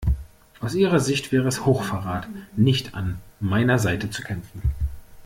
Aus ihrer Sicht wäre es Hochverrat, nicht an meiner Seite zu kämpfen.